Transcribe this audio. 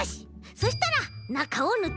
そしたらなかをぬってく。